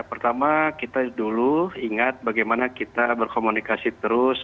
pertama kita dulu ingat bagaimana kita berkomunikasi terus